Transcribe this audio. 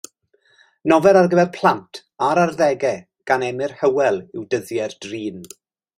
Nofel ar gyfer plant a'r arddegau gan Emyr Hywel yw Dyddiau'r Drin.